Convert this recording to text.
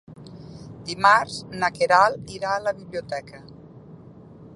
Dimarts na Queralt irà a la biblioteca.